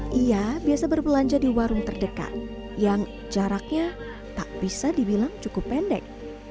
dia biasa berbelanja di warung terdekat yang jaraknya tak bisa dibilang cukup pendek